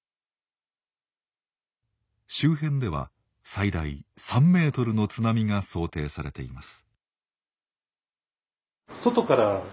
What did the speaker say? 周辺では最大３ｍの津波が想定されています。